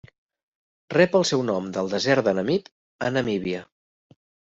Rep el seu nom del desert del Namib, a Namíbia.